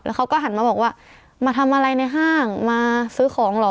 เขาก็หันมาบอกว่ามาทำอะไรในห้างมาซื้อของเหรอ